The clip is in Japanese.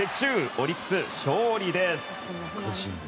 オリックス、勝利です。